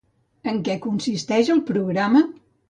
En què consisteix el programa?